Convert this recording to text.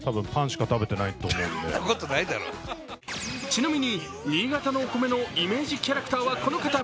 ちなみに新潟のお米のイメージキャラクターは、この方。